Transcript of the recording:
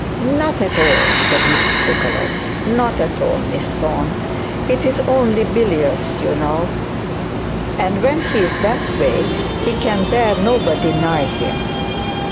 'Not at all!' said Mrs Lookaloft. 'Not at all, Miss Thorne. It is only bilious you know, and when he's that way he can bear nobody nigh him.'